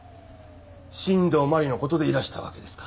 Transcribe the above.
新道真理の事でいらしたわけですか。